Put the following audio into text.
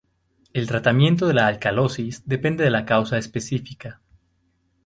El tratamiento de la alcalosis depende de la causa específica.